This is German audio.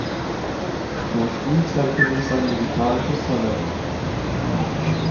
Schon früh zeigte sich sein musikalisches Talent.